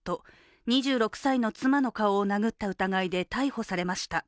２６歳の妻の顔を殴った疑いで逮捕されました。